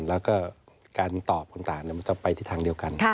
แล้วก็การตอบต่างมันจะไปที่ทางเดียวกัน